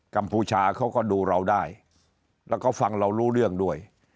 กมชาเขาก็ดูเราได้แล้วก็ฟังเรารู้เรื่องด้วย